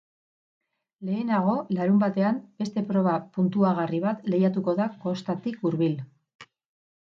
Lehenago, larunbatean, beste proba puntuagarri bat lehiatuko da kostatik hurbil.